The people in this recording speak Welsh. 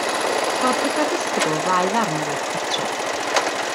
Cafodd pedwar disgybl ddau ddarn o waith cartref